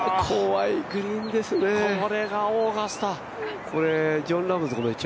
これがオーガスタ。